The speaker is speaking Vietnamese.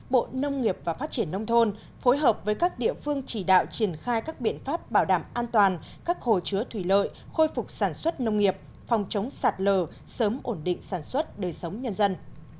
bộ nông nghiệp và phát triển nông thôn phối hợp với các địa phương chỉ đạo triển khai các biện pháp bảo đảm an toàn các hồ chứa thủy lợi khôi phục sản xuất nông nghiệp phòng chống sạt lờ sớm ổn định sản xuất đời sống nhân dân